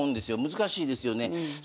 難しいですよね。